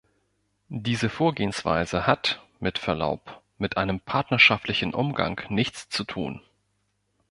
Diese Vorgehensweise hat, mit Verlaub, mit einem partnerschaftlichen Umgang nichts zu tun.